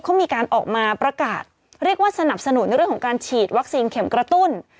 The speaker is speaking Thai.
เขามีการออกมาประกาศเรียกว่าสนับสนุนในเรื่องของการฉีดวัคซีนเข็มกระตุ้น